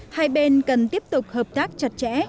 hai bên cần tiếp tục hợp tác chặt chẽ